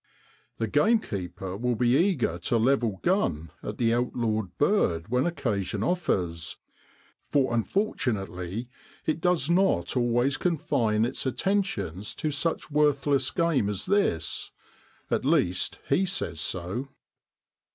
The game keeper will be eager to level gun at the outlawed bird when occasion offers, for unfortunately, it does not always confine its attentions to such worthless game as this at least he says so.